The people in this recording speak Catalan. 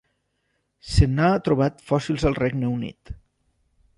Se n'han trobat fòssils al Regne Unit.